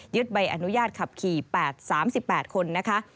ใบอนุญาตขับขี่๘๓๘คนนะคะ